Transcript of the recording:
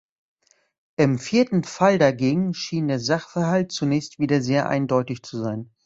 Im vierten Fall dagegen schien der Sachverhalt zunächst wieder sehr eindeutig zu sein.